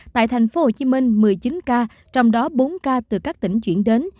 tại thành phố hồ chí minh một mươi chín ca trong đó bốn ca từ các tỉnh chuyển